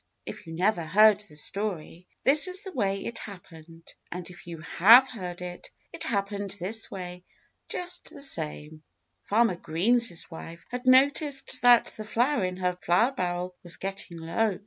If you never heard the story, this is the way it happened and if you have heard it, it happened this way, just the same: Farmer Green's wife had noticed that the flour in her flour barrel was getting low.